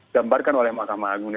gambarkan oleh makam agung